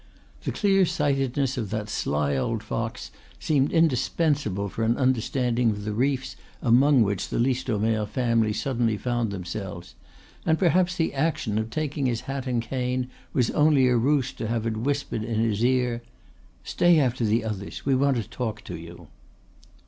The clear sightedness of that sly old fox seemed indispensable for an understanding of the reefs among which the Listomere family suddenly found themselves; and perhaps the action of taking his hat and cane was only a ruse to have it whispered in his ear: "Stay after the others; we want to talk to you."